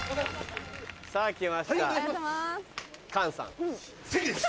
さぁ来ました。